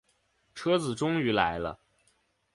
车子终于来了